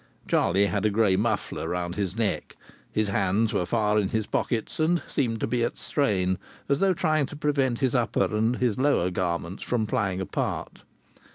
Charlie had a grey muffler round his neck; his hands were far in his pockets and seemed to be at strain, as though trying to prevent his upper and his lower garments from flying apart.